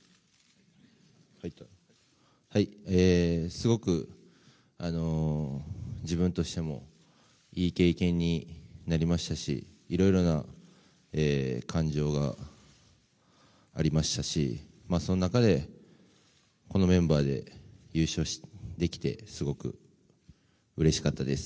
すごく自分としてもいい経験になりましたしいろいろな感情がありましたしその中で、このメンバーで優勝できてすごくうれしかったです。